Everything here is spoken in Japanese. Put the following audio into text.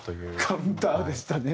カウンターでしたね